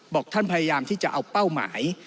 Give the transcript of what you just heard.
บอกท่านพยายามที่จะเอาเป้าหมาย